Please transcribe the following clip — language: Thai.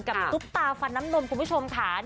กับตุ๊กตาฟันน้ำนมคุณผู้ชมค่ะ